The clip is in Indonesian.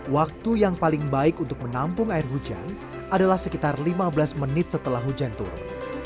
waktu yang paling baik untuk menampung air hujan adalah sekitar lima belas menit setelah hujan turun